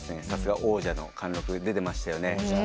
さすが王者の貫禄が出ていましたよね。